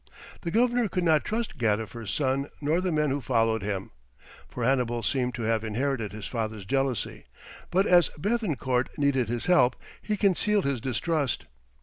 The governor could not trust Gadifer's son nor the men who followed him, for Hannibal seemed to have inherited his father's jealousy, but as Béthencourt needed his help, he concealed his distrust.